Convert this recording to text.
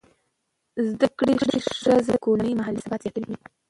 زده کړه ښځه د کورنۍ مالي ثبات زیاتوي.